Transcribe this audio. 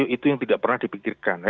itu yang tidak pernah dipikirkan